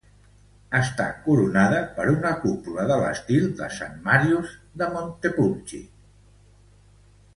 Està coronada per una cúpula de l'estil de Sant Màrius de Montepulciano.